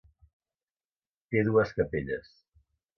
Té dues capelles.